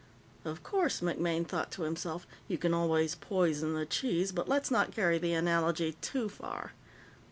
Of course, MacMaine thought to himself, _you can always poison the cheese, but let's not carry the analogy too far.